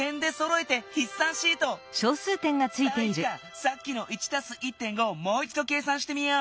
さっきの「１＋１．５」をもういちど計算してみよう。